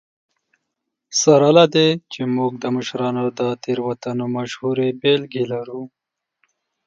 سره له دې چې موږ د مشرانو د تېروتنو مشهورې بېلګې لرو.